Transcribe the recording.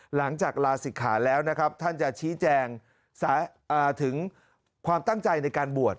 หลังจากลาศิกขาแล้วนะครับท่านจะชี้แจงถึงความตั้งใจในการบวช